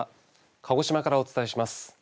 鹿児島からお伝えします。